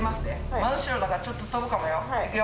真後ろだからちょっと飛ぶかもよ。